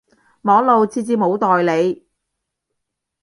網路設置冇代理